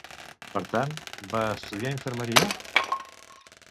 Per tant, va estudiar Infermeria?